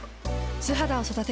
素肌を育てる。